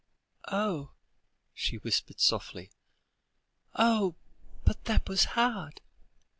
"Oh!" she whispered softly; "oh! but that was hard."